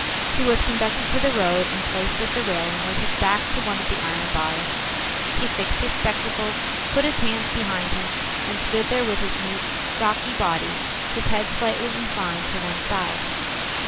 He was conducted to the road and placed at the railing with his back to one of the iron bars. He fixed his spectacles, put his hands behind him, and stood there with his neat, stocky body, his head slightly inclined to one side.